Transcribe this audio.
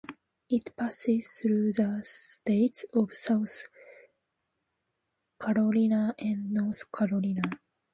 It passes through the states of South Carolina and North Carolina.